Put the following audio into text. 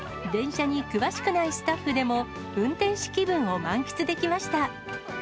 電車に詳しくないスタッフでも、運転士気分を満喫できました。